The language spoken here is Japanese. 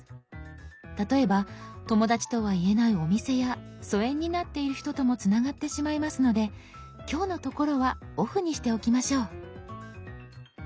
例えば友だちとは言えないお店や疎遠になっている人ともつながってしまいますので今日のところはオフにしておきましょう。